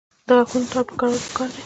د غاښونو تار کارول پکار دي